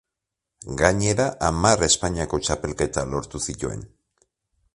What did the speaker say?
Gainera hamar Espainiako Txapelketa lortu zituen.